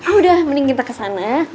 udah mending kita ke sana ya